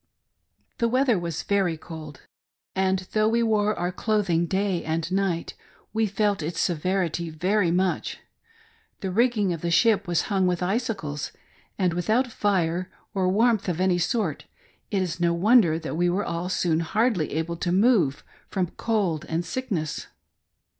The weather was very cold, and though we wore our cloth ing day and night, we felt its severity very much. The rig ging of the ship was hung with icicles, and without fire or warmth of any sort, it is no wonder that we all were soon hardly able to move from cold and sickness.